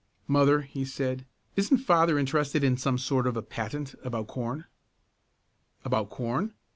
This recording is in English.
"Mother," he said, "isn't father interested in some sort of a patent about corn?" "About corn?